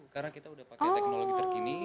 karena kita sudah pakai teknologi terkini